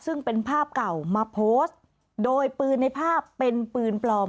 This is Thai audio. ซึ่งเป็นภาพเก่ามาโพสต์โดยปืนในภาพเป็นปืนปลอม